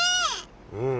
うん。